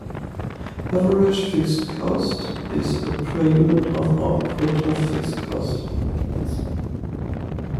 Average fixed cost is a per-unit-of-output of fixed costs.